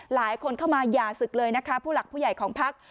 หลายคนเข้ามาอย่าศึกเลยนะคะผู้หลักผู้ใหญ่ของพัก